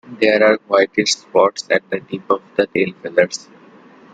There are whitish spots at the tip of the tail feathers.